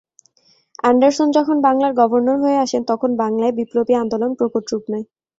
Anderson যখন বাংলার governor হয়ে আসেন তখন বাংলায় বিপ্লবী আন্দোলন প্রকট রূপ নেয়।